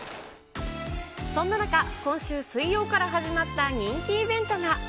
そんな中、今週水曜から始まった人気イベントが。